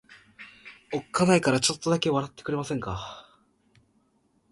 おっかないからちょっとだけ微笑んでくれませんか。